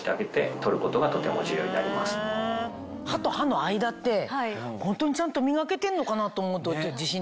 歯と歯の間ってホントにちゃんと磨けてんのかな？と思うと自信ないです。